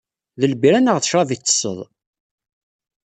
D lbirra neɣ d ccrab i ttesseḍ?